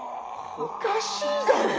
おかしいだろ。